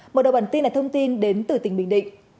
mở đầu bản tin là thông tin đến từ tỉnh bình định